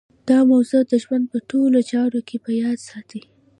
دا موضوع د ژوند په ټولو چارو کې په یاد ساتئ